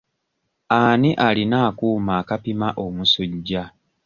Ani alina akuuma akapima omusujja?